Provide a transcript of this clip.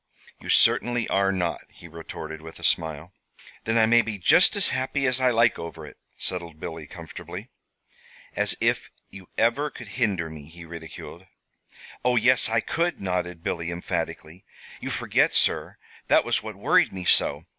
"You certainly are not," he retorted, with a smile. "Then I may be just as happy as I like over it," settled Billy, comfortably. "As if you ever could hinder me," he ridiculed. "Oh, yes, I could," nodded Billy, emphatically. "You forget, sir. That was what worried me so.